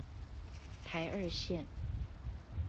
台二線